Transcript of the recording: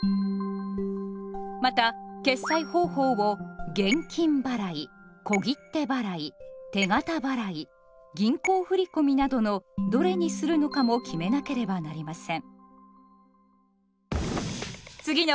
また決済方法を「現金払い」「小切手払い」「手形払い」「銀行振込」などのどれにするのかも決めなければなりません。